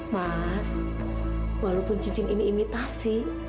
mas walaupun cincin ini imitasi